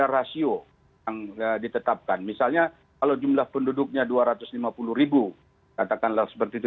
ribu katakanlah seperti itu